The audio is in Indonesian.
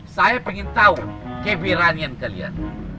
saya ingin tahu kewiranian kalian